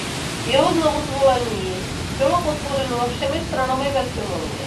Jeho znovuzvolení bylo podpořeno všemi stranami ve Sněmovně.